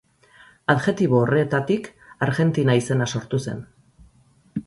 Adjektibo horretatik Argentina izena sortu zen.